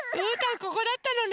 ここだったのね。